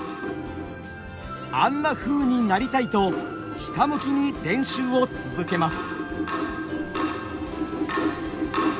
あんなふうになりたいとひたむきに練習を続けます。